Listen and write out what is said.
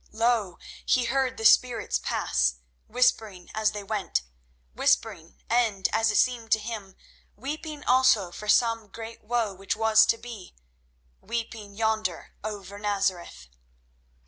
Lo! he heard the spirits pass, whispering as they went; whispering, and, as it seemed to him, weeping also for some great woe which was to be; weeping yonder over Nazareth.